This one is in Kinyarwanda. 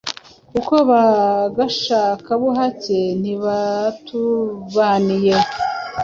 kuko ba gashakabuhake ntibatubaniye.